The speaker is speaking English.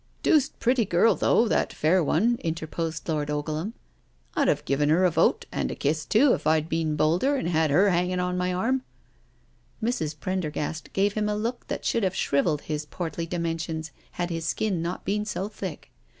" Deuced pretty girl Aough that fair one," inter posed Lord Ogleham. " I'd have given her a vote and a kiss too if I'd been Boulder and had her hanging on my arm.'* Mrs. Prendergast gave him a look that should have shrivelled his portly dimensions had his skin not been so thick.